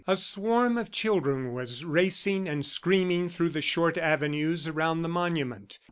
A swarm of children was racing and screaming through the short avenues around the monument.